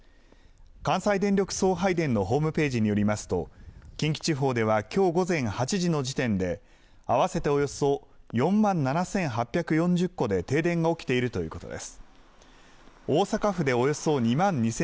関西電力送配電のホームページによりますと近畿地方ではきょう午前８時の時点で合わせておよそ４万７８４０戸で停電が起きているということです。